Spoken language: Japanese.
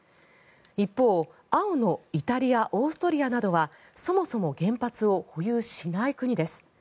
一方、青のイタリアオーストリアなどはそもそも原発を保有しない国です。